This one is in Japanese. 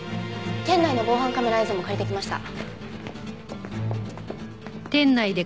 店内の防犯カメラ映像も借りてきました。